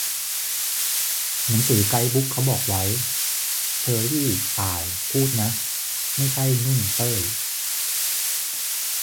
"หนังสือไกด์บุ๊กเขาบอกไว้" เชอรี่ ต่าย พูดนะ ไม่ใช่ นุ่น เต้ย